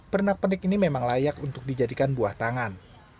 pernak pernik ini memang layak untuk dijadikan buah tangan